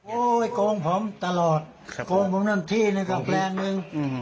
โอ้ยโกงผมตลอดโกงผมนั่นที่นึงกับแปลงนึงอืม